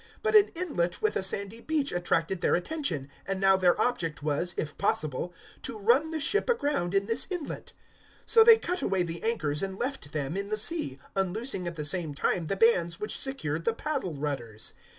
But an inlet with a sandy beach attracted their attention, and now their object was, if possible, to run the ship aground in this inlet. 027:040 So they cut away the anchors and left them in the sea, unloosing at the same time the bands which secured the paddle rudders.